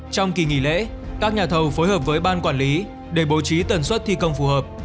trong kỳ nghỉ lễ các nhà thầu phối hợp với ban quản lý để bố trí tần suất thi công phù hợp